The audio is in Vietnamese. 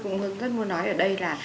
cũng rất muốn nói ở đây là